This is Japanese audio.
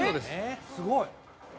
すごい！